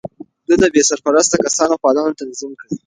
ده د بې سرپرسته کسانو پالنه تنظيم کړه.